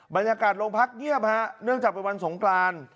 บรรยากาศโรงพักเงียบฮะเนื่องจากเป็นวันสงกราน